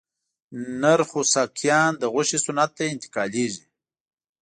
نر خوسکایان د غوښې صنعت ته انتقالېږي.